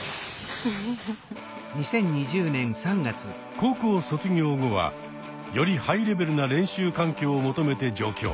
高校卒業後はよりハイレベルな練習環境を求めて上京。